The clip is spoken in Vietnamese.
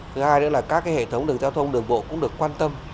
thứ hai nữa là các hệ thống đường giao thông đường bộ cũng được quan tâm